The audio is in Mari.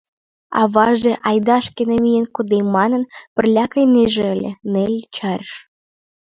Аваже «айда, шке намиен кодем» манын, пырля кайнеже ыле, Нелли чарыш.